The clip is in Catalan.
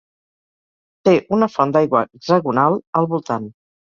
Té una font d'aigua hexagonal al voltant.